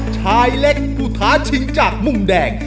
ชายเล็กมุฒาชิงจากหมุมแดง